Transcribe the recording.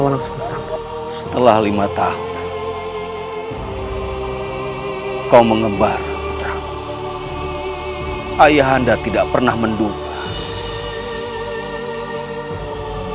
walangungsang setelah lima tahun kau mengembar ayah anda tidak pernah menduga kau akan pulang dengan